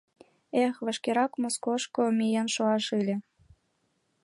Эх, вашкерак Москошко миен шушаш ыле.